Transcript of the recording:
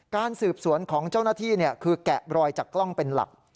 การสืบสวนของเจ้าหน้าที่คือแกะรอยจากกล้องเป็นหลัก